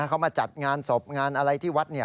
เขามาจัดงานศพงานอะไรที่วัด